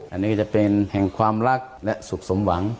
อันนี้ก็จะเป็นแห่งความรักและสุขสมหวัง